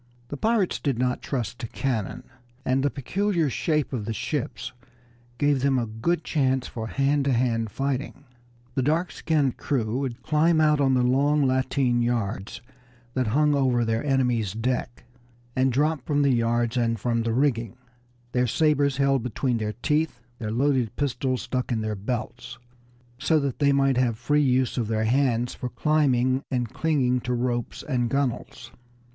The pirates did not trust to cannon, and the peculiar shape of the ships gave them a good chance for hand to hand fighting. The dark skinned crew would climb out on the long lateen yards that hung over their enemies' deck, and drop from the yards and from the rigging, their sabers held between their teeth, their loaded pistols stuck in their belts, so that they might have free use of their hands for climbing and clinging to ropes and gunwales.